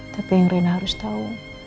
tapi yang rena harus tahu